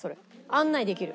案内できる。